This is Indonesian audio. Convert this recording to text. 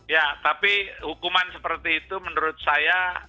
ya tapi hukuman seperti itu menurut saya